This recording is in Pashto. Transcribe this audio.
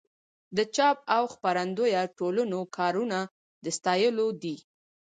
د چاپ او خپرندویه ټولنو کارونه د ستایلو دي.